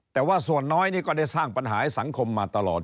แต่ว่าส่วนน้อยนี่ก็ได้สร้างปัญหาให้สังคมมาตลอด